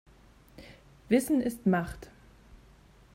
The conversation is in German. Wissen ist Macht.